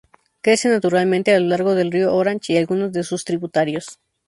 Crece naturalmente a lo largo del Río Orange y algunos de sus tributarios.